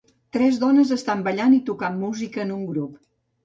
Tres dones estan ballant i tocant música en un grup